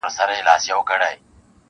په ځنګله کي به حلال یا غرغړه سم-